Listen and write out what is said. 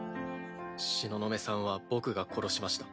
東雲さんは僕が殺しました。